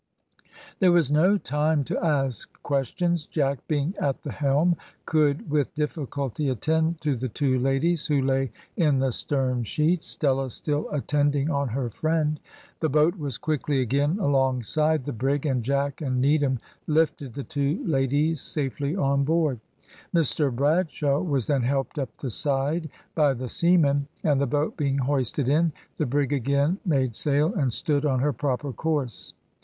There was no time to ask questions. Jack, being at the helm, could with difficulty attend to the two ladies, who lay in the stern sheets, Stella still attending on her friend. The boat was quickly again alongside the brig, and Jack and Needham lifted the two ladies safely on board. Mr Bradshaw was then helped up the side by the seamen, and the boat being hoisted in, the brig again made sail and stood on her proper course.